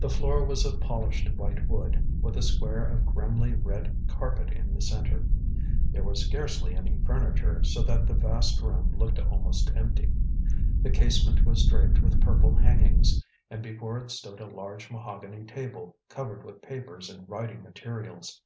The floor was of polished white wood, with a square of grimly red carpet in the centre. There was scarcely any furniture, so that the vast room looked almost empty. The casement was draped with purple hangings, and before it stood a large mahogany table, covered with papers and writing materials.